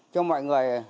cho mọi người